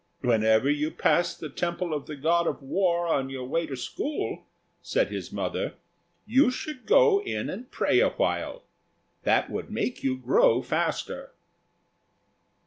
"Whenever you pass the temple of the God of War on your way to school," said his mother, "you should go in and pray awhile; that would make you grow faster."